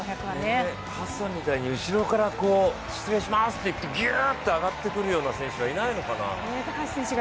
ハッサンみたいに後ろから失礼しますってって、ギューっと上がってくる選手はいないのかな。